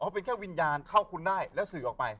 เป็นแค่วิญญาณเข้าคุณได้แล้วสื่อออกไป